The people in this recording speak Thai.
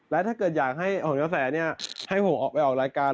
และถ้าเกิดอยากให้ของเปรียบนกาแซให้ผมไปสองรายการ